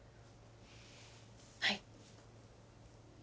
はい。